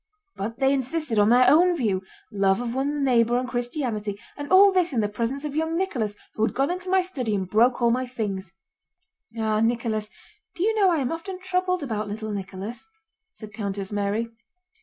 "But they insisted on their own view: love of one's neighbor and Christianity—and all this in the presence of young Nicholas, who had gone into my study and broke all my things." "Ah, Nicholas, do you know I am often troubled about little Nicholas," said Countess Mary.